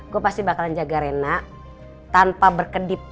gue pasti bakalan jaga rena tanpa berkedip